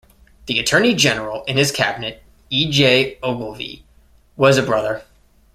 The attorney-general in his cabinet, E. J. Ogilvie, was a brother.